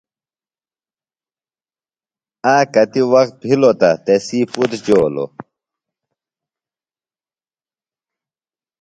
آک کتیۡ وخت بِھلوۡ تہ تسی پُتر جولوۡ